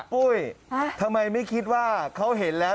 ปุ้ยทำไมไม่คิดว่าเขาเห็นแล้ว